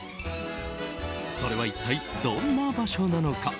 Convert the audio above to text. それは一体、どんな場所なのか？